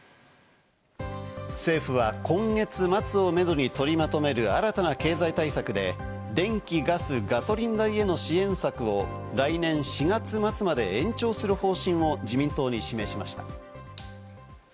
政府は今月末をめどに取りまとめる新たな経済対策で、電気、ガス、ガソリン代への支援策を来年４月末まで延長する方針を自民党に示しました。